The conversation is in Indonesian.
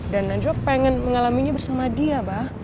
dan najwa pengen mengalaminya bersama dia bah